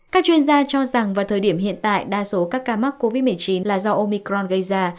các chuyên gia cho rằng vào thời điểm hiện tại đa số các ca mắc covid một mươi chín là do omicron gây ra